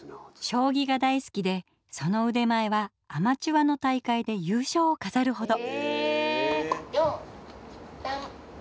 将棋が大好きでそのうでまえはアマチュアの大会で優勝をかざるほど。